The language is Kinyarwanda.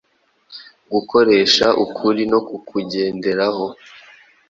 Gukoresha ukuri no kukugenderaho.